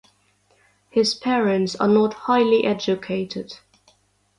His parents are not highly educated.